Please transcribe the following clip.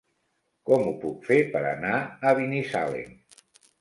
Com ho puc fer per anar a Binissalem?